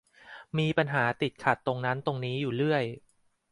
มีปัญหาติดขัดตรงนั้นตรงนี้อยู่เรื่อย